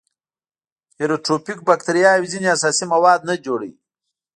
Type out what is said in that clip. هیټروټروفیک باکتریاوې ځینې اساسي مواد نه جوړوي.